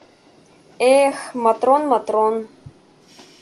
— Э-эх, Матрон, Матрон!